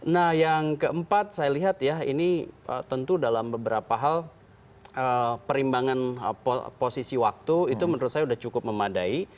nah yang keempat saya lihat ya ini tentu dalam beberapa hal perimbangan posisi waktu itu menurut saya sudah cukup memadai